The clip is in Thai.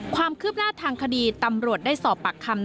ความคืบหน้าทางคดีตำรวจได้สอบปากคำ